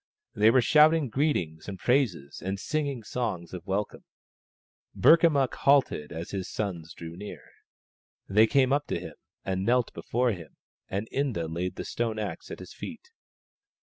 They were shouting greetings and praises and singing songs of welcome. Burkamukk halted as his sons drew near. They came up to him and knelt before him and Inda laid the stone axe at his feet.